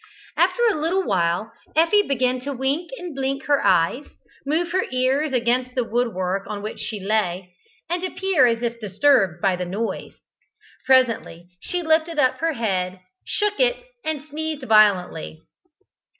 After a little while Effie began to wink and blink her eyes, move her ears against the woodwork on which she lay, and appear as if disturbed by the noise. Presently she lifted up her head, shook it, and sneezed violently.